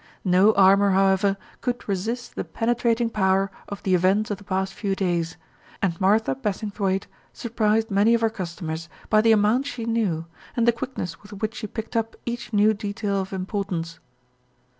No armour, however, could resist the penetrating power of the events of the past few days, and Martha Bassingthwaighte surprised many of her customers by the amount she knew, and the quickness with which she picked up each new detail of importance.